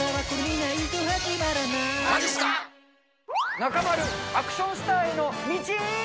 中丸、アクションスターへの道。